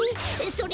それ！